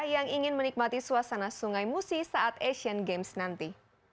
yang ingin menikmati suasana sungai musi saat asian games nanti